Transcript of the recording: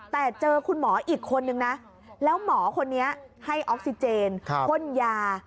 แต่เจอคุณหมออีกคนนึงนะแล้วหมอคนนี้ให้ออกซิเจนพ่นยา